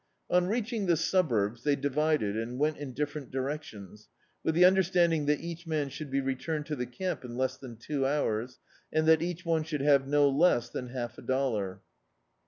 On reaching the suburbs they divided and went in different direc tions, with the understanding that each man should be returned to the camp in less than two hours, and that each one should have no less than half a dollar.